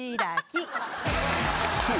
［そう。